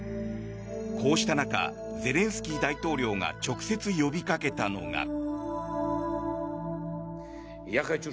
こうした中ゼレンスキー大統領が直接呼びかけたのが。